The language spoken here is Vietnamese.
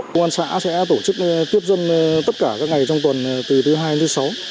công an xã sẽ tổ chức tiếp dân tất cả các ngày trong tuần từ thứ hai thứ sáu